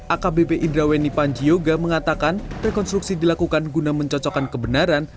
akbp idraweni panjiyoga mengatakan rekonstruksi dilakukan guna mencocokkan kebenaran